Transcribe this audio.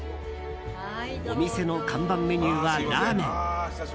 お店の看板メニューはラーメン。